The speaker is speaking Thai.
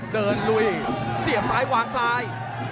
ลุยเสียบซ้ายวางซ้าย